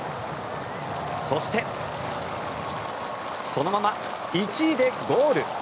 そして、そのまま１位でゴール。